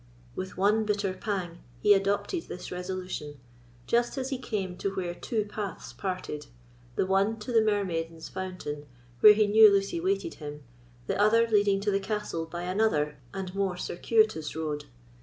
With one bitter pang he adopted this resolution, just as he came to where two paths parted: the one to the Mermaiden's Fountain, where he knew Lucy waited him, the other leading to the castle by another and more circuitous road.